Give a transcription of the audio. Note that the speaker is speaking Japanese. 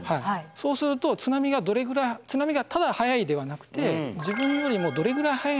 そうすると津波がどれぐらい津波がただ速いではなくて自分よりもどれぐらい速いのかと。